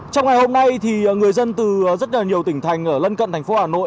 trong ngày hôm nay người dân từ rất nhiều tỉnh thành ở lân cận thành phố hà nội